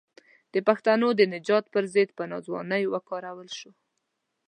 د پښتنو د نجات پر ضد په ناځوانۍ وکارول شو.